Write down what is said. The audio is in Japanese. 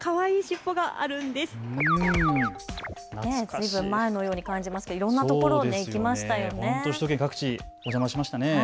ずいぶん前のように感じますけれど、いろんなところに行きましたよね。